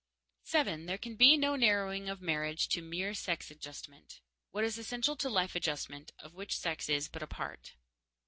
_7. There can be no narrowing of marriage to mere sex adjustment. What is essential is life adjustment, of which sex is but a part.